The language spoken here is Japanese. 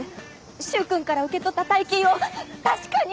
柊君から受け取った大金を確かに！